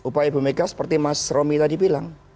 upaya ibu mega seperti mas romi tadi bilang